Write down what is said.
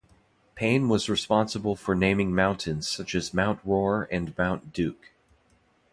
Payne was responsible for naming mountains such as Mount Rohr and Mount Duke.